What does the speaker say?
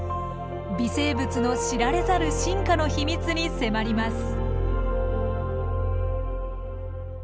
微生物の知られざる進化の秘密に迫ります。